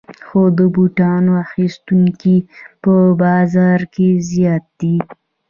خو د بوټانو اخیستونکي په بازار کې زیات دي